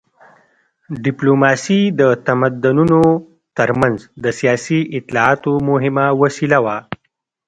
ډیپلوماسي د تمدنونو تر منځ د سیاسي اطلاعاتو مهمه وسیله وه